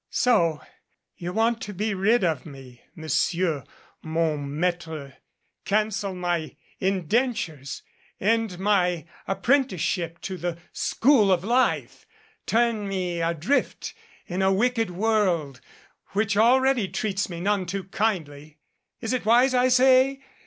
"So you want to be rid of me, Monsieur mon Maitre cancel my indentures end my apprenticeship to the school of life turn me adrift in a wicked world, which already treats me none too kindly. Is it wise, I say?